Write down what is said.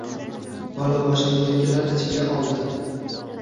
Bola boshini yelkalari ichiga oldi.